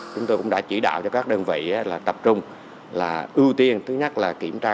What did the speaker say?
chúng tôi cũng đã chỉ đạo cho các đơn vị là tập trung là ưu tiên thứ nhất là kiểm tra